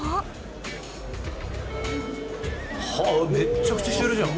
はあめっちゃくちゃ人いるじゃん！